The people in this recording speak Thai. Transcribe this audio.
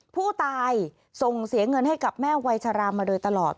ผู้ตายส่งเสียเงินให้กับแม่วัยชรามาโดยตลอด